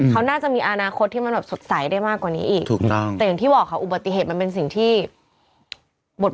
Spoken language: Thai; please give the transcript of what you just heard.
เขาน่าจะมีอนาคตที่มันแบบสดใสได้มากกว่านี้อีก